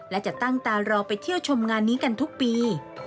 และจะตั้งตารอไปเที่ยวชมงานนี้กันทุกปี